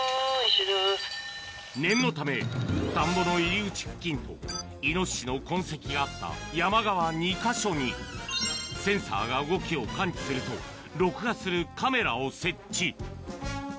念のため、田んぼの入り口付近とイノシシの痕跡があった山側２か所にセンサーが動きを感知すると録画するカメラを設置。